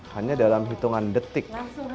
hanya dalam hitungan detik